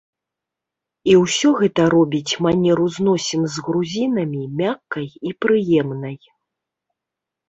І ўсё гэта робіць манеру зносін з грузінамі мяккай і прыемнай.